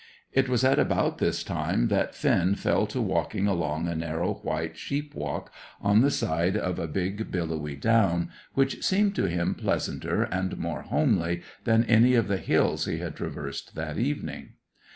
It was at about this time that Finn fell to walking along a narrow, white sheep walk, on the side of a big, billowy down, which seemed to him pleasanter and more homely than any of the hills he had traversed that evening.